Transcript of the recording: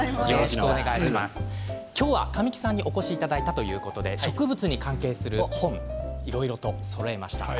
今日は神木さんにお越しいただいたということで植物に関係する本をいろいろとそろえました。